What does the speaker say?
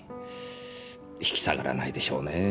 引き下がらないでしょうねぇ